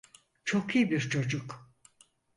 Çok iyi bir çocuk.